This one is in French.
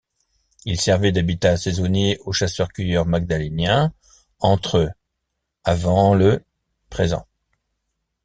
Ils servaient d'habitat saisonnier aux chasseurs-cueilleurs magdaléniens entre avant le présent.